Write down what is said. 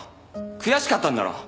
悔しかったんだろ？